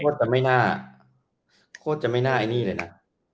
จะไม่น่าโคตรจะไม่น่าไอ้นี่เลยนะ